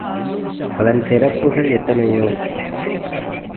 அதன் சிறப்புக்கள் எத்தனையோ!